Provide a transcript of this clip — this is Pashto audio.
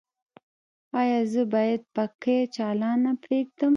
ایا زه باید پکۍ چالانه پریږدم؟